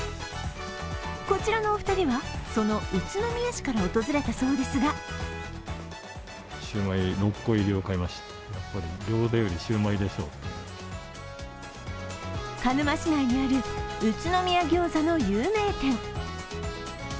こちらのお二人は、その宇都宮市から訪れたそうですが鹿沼市内にある宇都宮ギョーザの有名店。